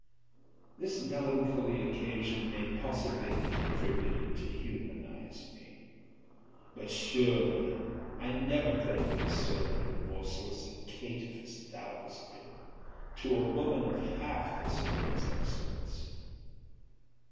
This melancholy occasion may possibly have contributed to humanize me: but surely I never could have been so remorseless a caitiff as thou hast been, to a woman of half this lady's excellence.